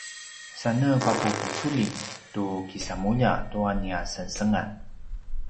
sane papupiculi tu kisamulja tua nia sengsengan